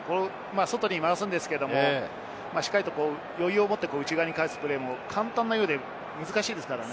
外に回すんですけれども、余裕を持って内側に返すプレーも簡単なようで難しいですからね。